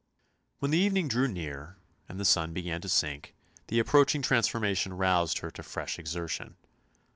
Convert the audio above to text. When the evening drew near and the sun began to sink, the approaching transformation roused her to fresh exertion.